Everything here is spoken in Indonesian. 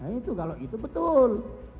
nah itu kalau itu betul